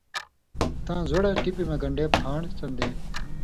تاں زُوڑہۡ ٹِپیۡ مہ گن٘ڈے پھان٘ڈ سن٘دے